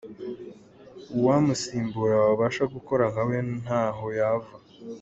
Uwamusimbura wabasha gukora nka we ntaho yava.